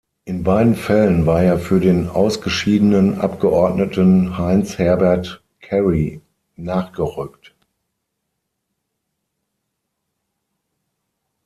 In beiden Fällen war er für den ausgeschiedenen Abgeordneten Heinz Herbert Karry nachgerückt.